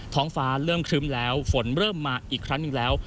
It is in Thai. ท้องฟ้าเริ่มครึ้มแล้วฝนเริ่มมาอีกครั้งหนึ่งแล้ว